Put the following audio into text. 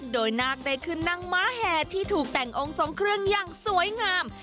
โดยนาคได้ขึ้นนั่งม้าแห่ที่ถูกแต่งองค์ทรงเครื่องอย่างสวยงาม